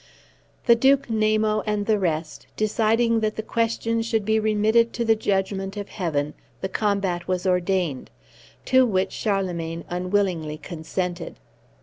The Duke Namo and the rest, deciding that the question should be remitted to the judgment of Heaven, the combat was ordained, to which Charlemagne unwillingly consented.